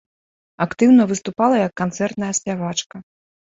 Актыўна выступала як канцэртная спявачка.